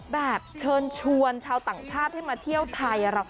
แบบเชิญชวนชาวต่างชาติให้มาเที่ยวไทย